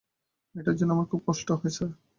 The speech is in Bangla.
মেয়েটার জন্যে আমার খুব কষ্ট হয় স্যার।